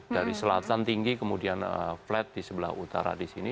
dari selatan tinggi kemudian flat di sebelah utara disini